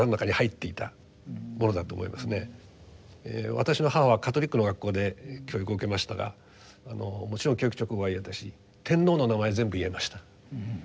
私の母はカトリックの学校で教育を受けましたがもちろん教育勅語は言えたし天皇の名前全部言えました。